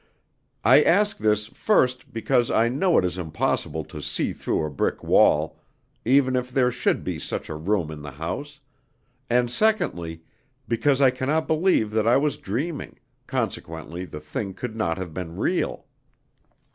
"I ask this, first, because I know it is impossible to see through a brick wall, even if there should be such a room in the house; and, secondly, because I cannot believe that I was dreaming, consequently the thing could not have been real."